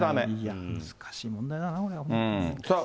難しい問題だな。